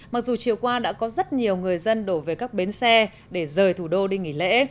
mặc dù chiều qua đã có rất nhiều người dân đổ về các bến xe để rời thủ đô đi nghỉ lễ